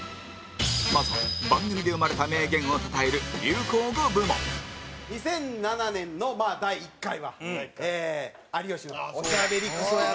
まずは、番組で生まれた名言をたたえる流行語部門２００７年の第１回は有吉の「おしゃべりクソ野郎」。